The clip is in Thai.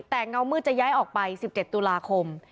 แต่เงามืดจะย้ายออกไป๑๗ตุลาคม